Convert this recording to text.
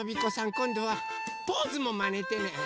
こんどはポーズもまねてね。